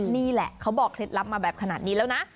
นี่แหละเขาบอกเคล็ดลับมาแบบขนาดนี้แล้วนะ